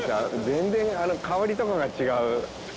全然香りとかが違う。